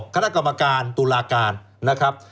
คณะกรรมการตุลาการนะครับ